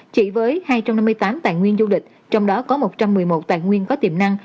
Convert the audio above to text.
chỉ với hai trăm năm mươi tám tài nguyên du lịch trong đó có một trăm một mươi một tài nguyên có tiềm năng